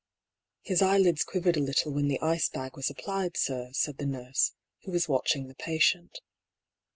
" His eyelids quivered a little when the ice bag was applied, sir," said the nurse who was watching the pa tient.